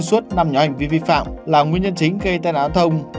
suốt năm nhóm hành vi vi phạm là nguyên nhân chính gây tai nạn thông